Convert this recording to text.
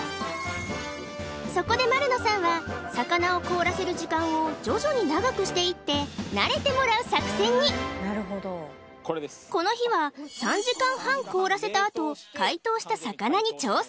そこで丸野さんは魚を凍らせる時間を徐々に長くしていって慣れてもらう作戦にこの日は３時間半凍らせたあと解凍した魚に挑戦！